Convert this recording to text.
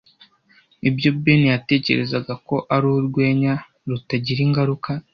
Ibyo Ben yatekerezaga ko ari urwenya rutagira ingaruka